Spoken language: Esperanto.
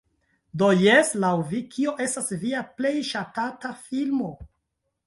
Do jes, laŭ vi, kio estas via plej ŝatata filmo?